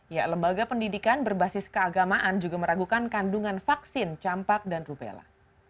ya lembaga pendidikan berbasis keagamaan juga meragukan kandungan vaksin campak dan rubella